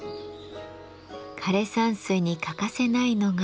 枯山水に欠かせないのが砂紋。